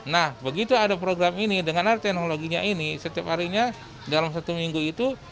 nah begitu ada program ini dengan ada teknologinya ini setiap harinya dalam satu minggu itu